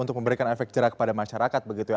untuk memberikan efek jerak kepada masyarakat begitu ya